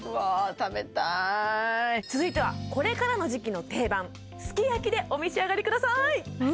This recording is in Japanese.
食べたい続いてはこれからの時期の定番すき焼きでお召し上がりくださいう！